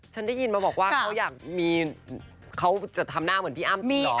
ฉันได้ยินมาบอกว่าเขาอยากมีเขาจะทำหน้าเหมือนพี่อ้ำจริงเหรอ